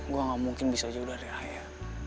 gue gak mungkin bisa jauh dari aya